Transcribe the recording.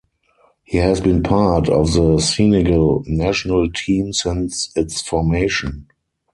He has been part of the Senegal national team since its formation.